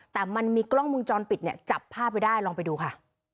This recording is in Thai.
แต่มันมีกล้องมุมจรปิดเนี่ยจับภาพไว้ได้ลองไปดูค่ะ